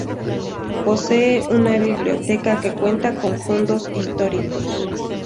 Posee una biblioteca que cuenta con fondos históricos.